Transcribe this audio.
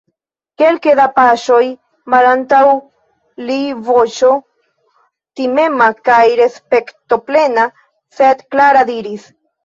Kelke da paŝoj malantaŭ li voĉo timema kaj respektoplena, sed klara, diris: